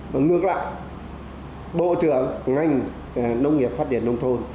và ngược lại bộ trưởng ngành nông nghiệp phát triển nông thôn